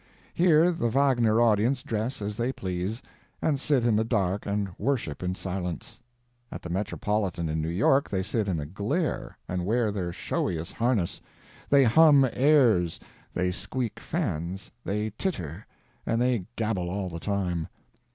Here the Wagner audience dress as they please, and sit in the dark and worship in silence. At the Metropolitan in New York they sit in a glare, and wear their showiest harness; they hum airs, they squeak fans, they titter, and they gabble all the time.